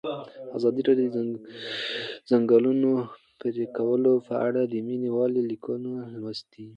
ازادي راډیو د د ځنګلونو پرېکول په اړه د مینه والو لیکونه لوستي.